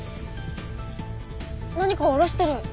何か下ろしてる。